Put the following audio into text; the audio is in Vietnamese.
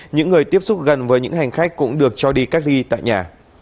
những người tiếp xúc gần với những hành khách cũng được cho đi cách ly tại nhà